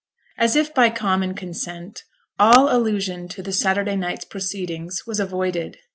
As if by common consent, all allusion to the Saturday night's proceedings was avoided.